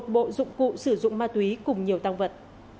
một bộ dụng cụ sử dụng ma túy cùng nhiều tăng vật